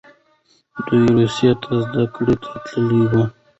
دوی روسیې ته زده کړې ته تللي وو.